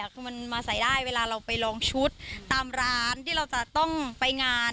คือมันมาใส่ได้เวลาเราไปลองชุดตามร้านที่เราจะต้องไปงาน